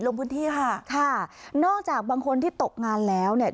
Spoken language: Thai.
ลงพื้นที่ค่ะค่ะนอกจากบางคนที่ตกงานแล้วเนี่ย